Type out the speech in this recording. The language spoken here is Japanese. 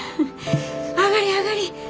上がり上がり。